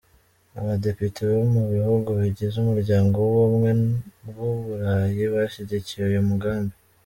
Abadepite bo mu bihugu bigize Umuryango w’Ubumwe bw’u Burayi bashyigikiye uyu mugambi.